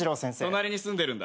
隣に住んでるんだ。